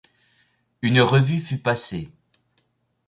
Une revue fut passée.